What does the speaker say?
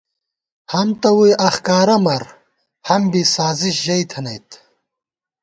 ہَم تہ ووئی اخکا رہ مَر، ہَم بی سازِش ژَئی تھنَئیت